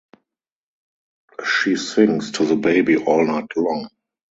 She sings to the baby all night long.